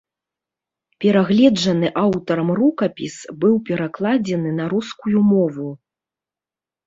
Перагледжаны аўтарам рукапіс быў перакладзены на рускую мову.